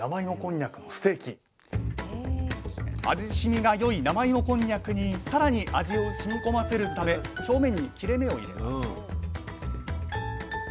しみがよい生芋こんにゃくに更に味をしみこませるため表面に切れ目を入れます